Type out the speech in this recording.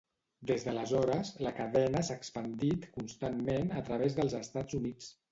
Des d'aleshores, la cadena s'ha expandit constantment a través dels Estats Units.